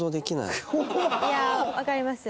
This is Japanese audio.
いやあわかります。